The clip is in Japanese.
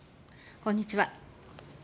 こんにちは。